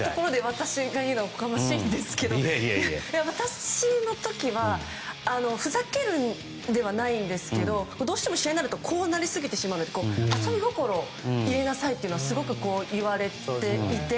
私が言うのもおこがましいですが私の時はふざけるではないんですけど、どうしても試合になりすぎるとこうなりすぎちゃうので遊び心を入れなさいというのはすごく言われていて。